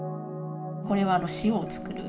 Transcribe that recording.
これは塩を作る。